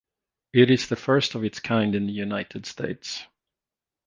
It is the first of its kind in the United States.